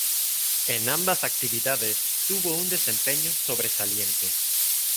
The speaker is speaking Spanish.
En ambas actividades tuvo un desempeño sobresaliente.